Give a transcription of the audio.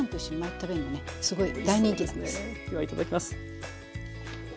ではいただきます。